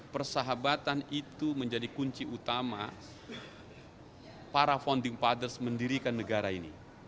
persahabatan itu menjadi kunci utama para founding fathers mendirikan negara ini